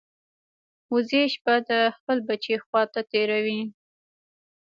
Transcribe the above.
وزې شپه د خپل بچي خوا ته تېروي